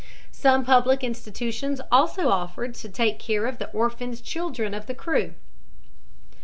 Some public institutions also offered to take care of the orphaned children of the crew.